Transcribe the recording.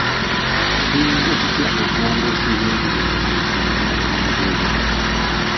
Tuyinza tutya okulongoosa eby'enjigiriza mu bitundu by'abanoonyi b'obubuddamu?